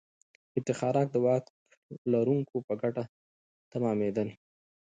افتخارات د واک لرونکو په ګټه تمامېدل.